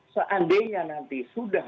seandainya nanti sudah